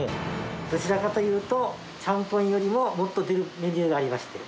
どちらかというとチャンポンよりももっと出るメニューがありまして。